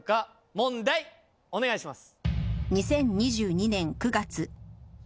問題お願いします。